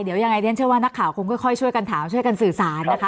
เดี๋ยวยังไงเรียนเชื่อว่านักข่าวคงค่อยช่วยกันถามช่วยกันสื่อสารนะคะ